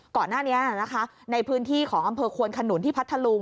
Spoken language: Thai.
ก่อนหน้านี้นะคะในพื้นที่ของอำเภอควนขนุนที่พัทธลุง